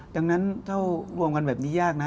ดังนั้นถ้ารวมกันแบบนี้ยากนะ